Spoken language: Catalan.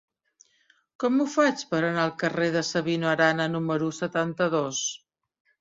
Com ho faig per anar al carrer de Sabino Arana número setanta-dos?